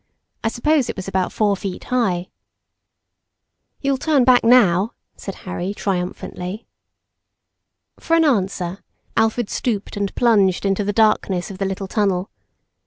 I suppose it was about four feet high. "You'll turn back now," said Harry triumphantly. For all answer, Alfred stooped and plunged into the darkness of the little tunnel.